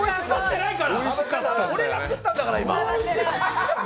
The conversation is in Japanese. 俺が食ってんだから今。